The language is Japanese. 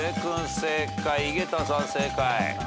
正解井桁さん正解。